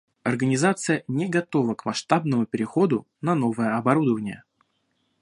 Организация не готова к масштабному переходу на новое оборудование